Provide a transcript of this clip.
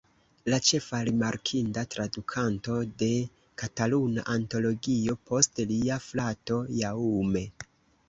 La ĉefa rimarkinda tradukanto de Kataluna Antologio post lia frato Jaume.